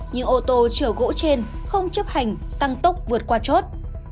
nhưng ô tô chở gỗ trên không chấp hành tăng tốc vượt qua chốt